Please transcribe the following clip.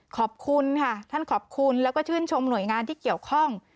ขอบคุณค่ะท่านขอบคุณแล้วก็ชื่นชมหน่วยงานที่เกี่ยวข้อง